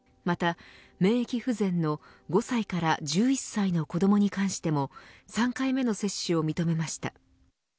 また、免疫不全の５歳から１１歳の子どもに関しても３回目の接種を認めました。